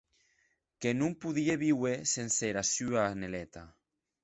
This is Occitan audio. Que non podie víuer sense era sua Neleta.